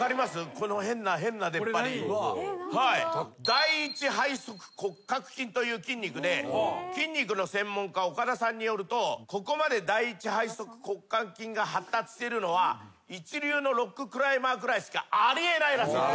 第一背側骨間筋という筋肉で筋肉の専門家岡田さんによるとここまで第一背側骨間筋が発達してるのは一流のロッククライマーくらいしかあり得ないらしいです。